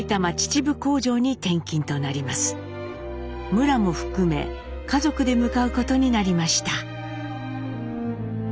むらも含め家族で向かうことになりました。